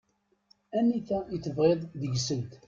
Anita i tebɣiḍ deg-sent?